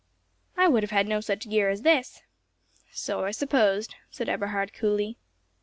"I would have had no such gear as this!" "So I supposed," said Eberhard coolly.